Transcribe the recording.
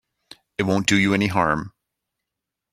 It won't do you any harm.